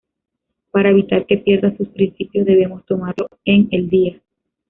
Para evitar que pierda sus principios debemos tomarlo en el día.